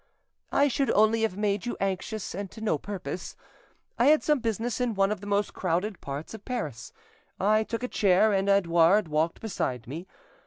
"I should only have made you anxious, and to no purpose. I had some business in one of the most crowded parts of Paris; I took a chair, and Edouard walked beside me.